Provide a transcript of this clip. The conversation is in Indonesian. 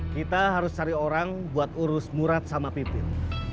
kita harus cari orang buat urus murad sama pipit